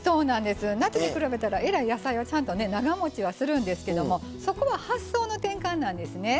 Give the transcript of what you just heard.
夏に比べたらえらい野菜はちゃんとね長もちはするんですけどもそこは発想の転換なんですね。